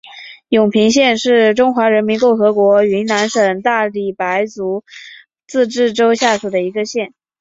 永平县是中华人民共和国云南省大理白族自治州下属的一个县。